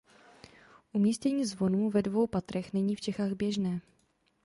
Umístění zvonů ve dvou patrech není v Čechách běžné.